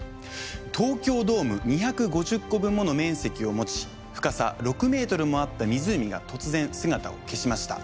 東京ドーム２５０個分もの面積を持ち深さ６ｍもあった湖が突然姿を消しました。